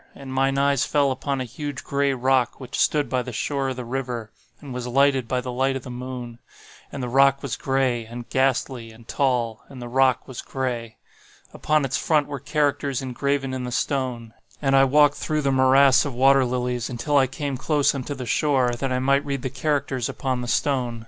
And mine eyes fell upon a huge gray rock which stood by the shore of the river, and was lighted by the light of the moon. And the rock was gray, and ghastly, and tall,—and the rock was gray. Upon its front were characters engraven in the stone; and I walked through the morass of water lilies, until I came close unto the shore, that I might read the characters upon the stone.